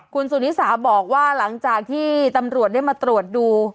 คุณสุนิสาบอกว่าหลังจากที่ตำรวจได้มาตรวจดู